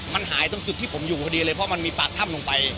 มันหายตรงจุดที่ผมอยู่พอดีเลยเพราะมันมีปากถ้ำลงไป